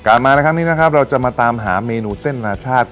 มาในครั้งนี้นะครับเราจะมาตามหาเมนูเส้นนาชาติ